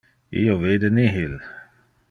Io vide nihil.